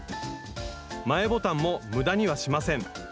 前ボタンも無駄にはしません。